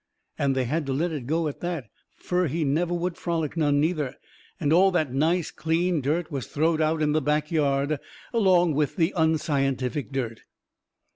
And they had to let it go at that, fur he never would frolic none, neither. And all that nice clean dirt was throwed out in the back yard along with the unscientific dirt.